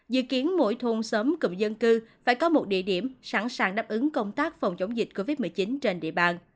dự kiến mỗi thôn xóm cụm dân cư phải có một địa điểm sẵn sàng đáp ứng công tác phòng chống dịch covid một mươi chín trên địa bàn